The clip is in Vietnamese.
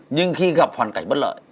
nhưng khi gặp hoàn cảnh bất lợi